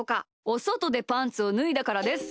おそとでパンツをぬいだからです。